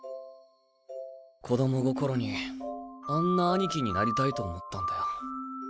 子供心にあんな兄貴になりたいと思ったんだよ。